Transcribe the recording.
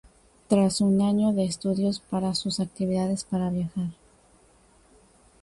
Tras un año de estudios, para sus actividades para viajar.